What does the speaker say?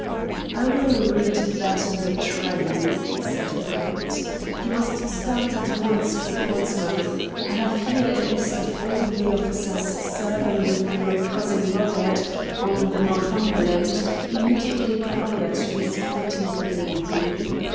"I will read that in the train," said Brett. "You must start at once for Portsmouth. I have here a list of all the officers serving with your cousin Robert on the Northumberland immediately prior to his quitting the Navy.